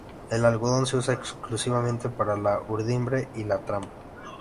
El algodón se usa exclusivamente para la urdimbre y la trama.